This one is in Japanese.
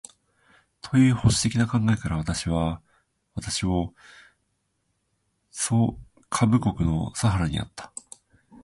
という保守的な考えから、私を下総国（千葉県）の佐原にあった